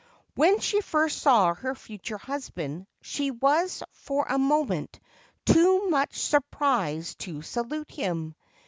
When she first saw her future husband, she was for a moment too much surprised to salute him.